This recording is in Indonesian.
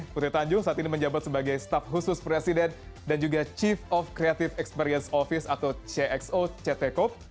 putri tanjung saat ini menjabat sebagai staff khusus presiden dan juga chief of creative experience office atau cxo ct cop